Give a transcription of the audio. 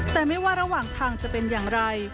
แต่ไม่ว่าระหว่างทางจะเป็นอย่างไร